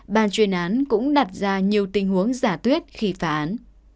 ban chuyên án cũng đặt ra nhiều tình huống giả tuyết khi phá án